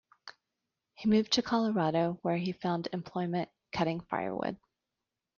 He moved to Colorado, where he found employment cutting firewood.